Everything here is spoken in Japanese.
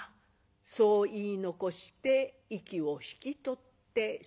そう言い残して息を引き取ってしまいました。